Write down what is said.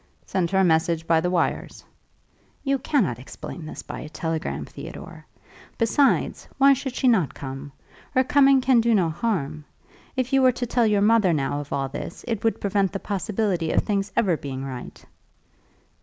"Send her a message by the wires." "You cannot explain this by a telegram, Theodore. Besides, why should she not come? Her coming can do no harm. If you were to tell your mother now of all this, it would prevent the possibility of things ever being right."